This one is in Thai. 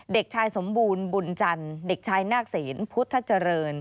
เด็กชายสมบูรณ์บุญจันทร์เด็กชายนาคศีลพุทธเจริญ